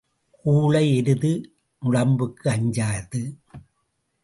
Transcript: கூழை எருது நுளம்புக்கு அஞ்சாது.